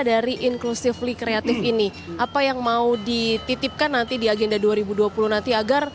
dari inclusively creative ini apa yang mau dititipkan nanti di agenda dua ribu dua puluh nanti agar